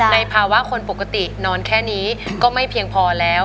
ในภาวะคนปกตินอนแค่นี้ก็ไม่เพียงพอแล้ว